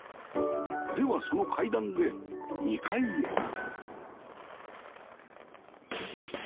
ではその階段で２階へ